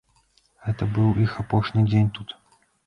Гэта быў іх апошні дзень тут.